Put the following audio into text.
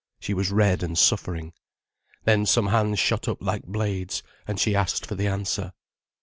She was red and suffering. Then some hands shot up like blades, and she asked for the answer.